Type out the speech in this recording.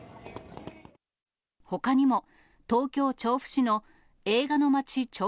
ほかにも、東京・調布市の映画のまち